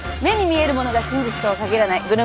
目に見えるものが真実とは限らない。